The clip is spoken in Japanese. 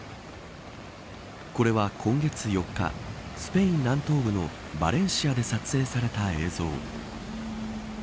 これは、今月４日スペイン南東部のバレンシアで撮影された映像。